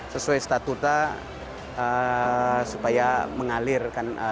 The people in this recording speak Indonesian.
sesuai statuta supaya mengalir